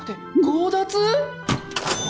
強奪！？